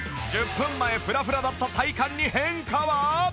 １０分前フラフラだった体幹に変化は？